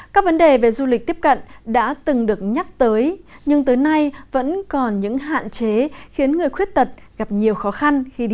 các vấn đề về du lịch tiếp cận đã từng được nhắc tới nhưng tới nay vẫn còn những hạn chế khiến người khuyết tật gặp nhiều khó khăn khi đi